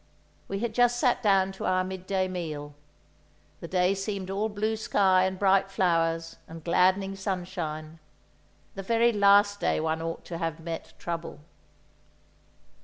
We had just sat down to our mid day meal; the day seemed all blue sky and bright flowers and gladdening sunshine—the very last day one ought to have met trouble.